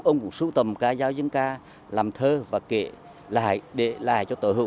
ông cũng sưu tầm ca giáo dân ca làm thơ và kể lại để lại cho tổ hữu